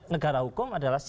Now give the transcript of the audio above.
negara hukum adalah